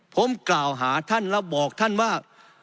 ผมกล่าวหาท่านแล้วบอกท่านว่า